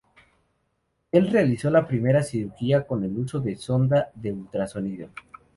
Él realizó la primera cirugía con el uso de sonda de ultrasonido.